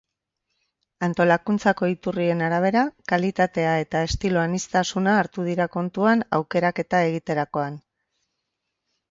Antolakuntzako iturrien arabera, kalitatea eta estilo aniztasuna hartu dira kontuan aukeraketa egiterakoan.